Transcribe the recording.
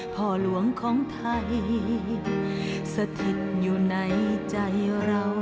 พ่อหลวงของไทยสถิตอยู่ในใจเรา